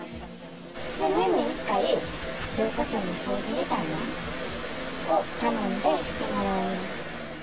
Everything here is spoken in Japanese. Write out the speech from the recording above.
年に１回、浄化槽の掃除みたいなのを頼んでしてもらった。